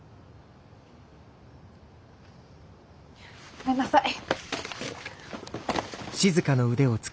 ごめんなさい。